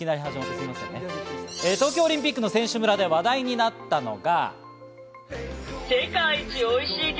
東京オリンピック選手村で話題になったのが。